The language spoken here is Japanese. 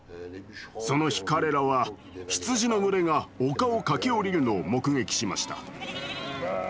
その日彼らは羊の群れが丘を駆け下りるのを目撃しました。